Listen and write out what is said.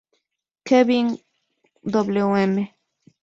Kevin Wm.